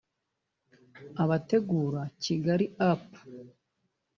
Abategura KigaliUp